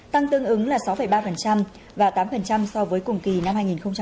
tăng tương ứng là sáu ba và tám so với cùng kỳ năm hai nghìn một mươi chín